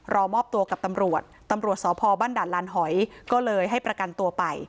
รอมอบตัวกับตำรวจตำรวจสพบ้านด่านลานหอยก็เลยให้ประกันตัวไป